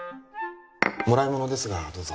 もらいものですがどうぞ